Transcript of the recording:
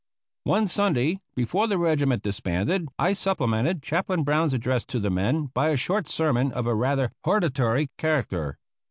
One Sunday before the regiment disbanded I supplemented Chaplain Brown's address to the men by a short sermon of a rather hortatory character.